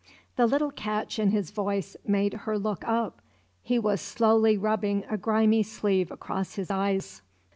The little catch in his voice made her look up. He was slowly rubbing a grimy sleeve across his eyes.